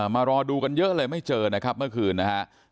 มารอดูกันเยอะเลยไม่เจอนะครับเมื่อคืนนะฮะ